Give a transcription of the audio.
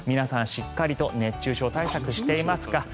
しっかりと熱中症対策していますか？